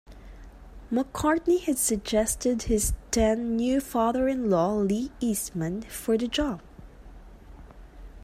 McCartney had suggested his then new father-in-law Lee Eastman for the job.